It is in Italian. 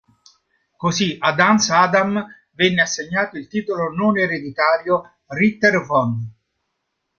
Così ad Hans Adam venne assegnato il titolo non ereditario "Ritter von".